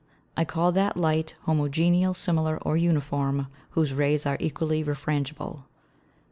I call that Light Homogeneal, Similar, or Uniform, whose Rays are equally refrangible.